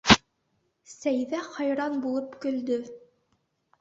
Сәйҙә хайран булып көлдө: